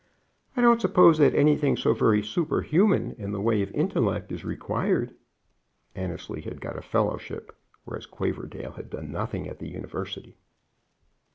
"I don't suppose that anything so very super human in the way of intellect is required." Annesley had got a fellowship, whereas Quaverdale had done nothing at the university.